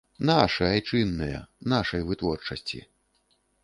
Нашы, айчынныя, нашай вытворчасці.